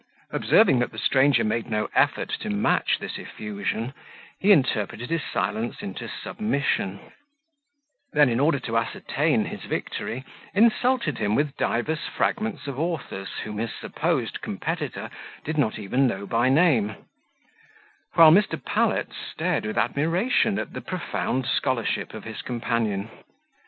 Observing that the stranger made no effort to match this effusion, he interpreted his silence into submission; then, in order to ascertain his victory, insulted him with divers fragments of authors, whom his supposed competitor did not even know by name; while Mr. Pallet stared with admiration at the profound scholarship of his companion.